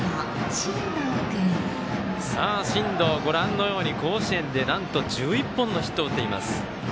進藤、ご覧のように甲子園でなんと１１本のヒットを打っています。